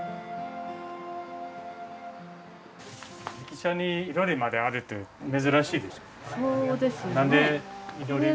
駅舎にいろりまであるって珍しいですね。